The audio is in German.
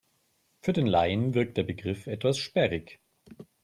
Für den Laien wirkt der Begriff etwas sperrig.